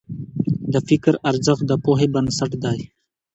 د فکر ارزښت د پوهې بنسټ دی.